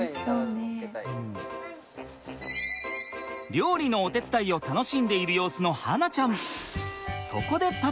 料理のお手伝いを楽しんでいる様子の巴梛ちゃん。